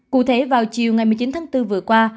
cụ thể vào chiều ngày một mươi chín tháng bốn vừa qua